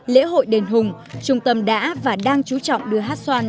lễ hội đền hùng trung tâm đã và đang chú trọng đưa hát xoan